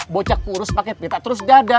bocah kurus pakai pita terus dada